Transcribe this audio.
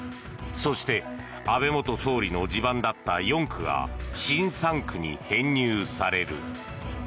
そして、安倍元総理の地盤だった４区が新３区に編入される。